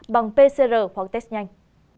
bằng pcr hoặc test nhanh